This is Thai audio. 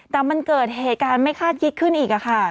แต่มันเกิดเหตุการณ์ไม่คาดคิดขึ้นอีกค่ะ